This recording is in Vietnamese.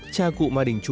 cha cụ ma đình chu